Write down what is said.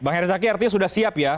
bang herizaki artinya sudah siap ya